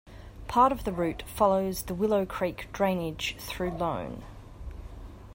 Part of the route follows the Willow Creek drainage through Ione.